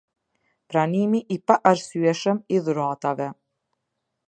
Pranimi i paarsyeshëm i dhuratave.